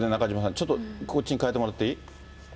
ちょっとこっちに変えてもらっていい？